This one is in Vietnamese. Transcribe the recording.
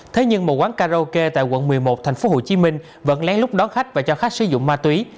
thế nhưng một quán karaoke tại quận một mươi một tp hcm vẫn lén lút đón khách và cho khách sử dụng ma túy